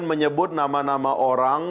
menyebut nama nama orang